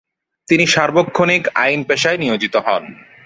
তিনি সার্বক্ষণিক আইন পেশায় নিয়োজিত হন।